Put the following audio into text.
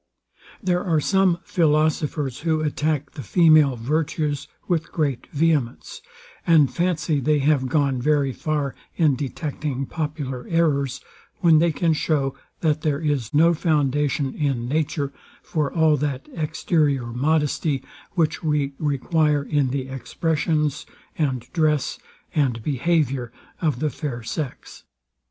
There are some philosophers, who attack the female virtues with great vehemence, and fancy they have gone very far in detecting popular errors, when they can show, that there is no foundation in nature for all that exterior modesty, which we require in the expressions, and dress, and behaviour of the fair sex.